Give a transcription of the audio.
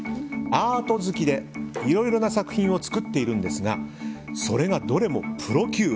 アート好きで、いろいろな作品を作っているんですがそれがどれもプロ級。